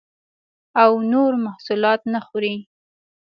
او نور محصولات نه خوري